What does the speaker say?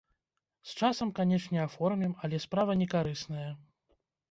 З часам, канечне, аформім, але справа не карысная.